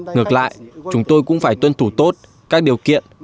ngược lại chúng tôi cũng phải tuân thủ tốt các điều kiện